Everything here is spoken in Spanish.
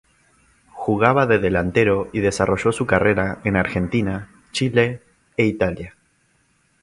Jugaba de delantero y desarrolló su carrera en Argentina, Chile e Italia.